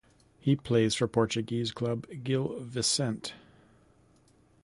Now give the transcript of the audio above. He plays for Portuguese club Gil Vicente.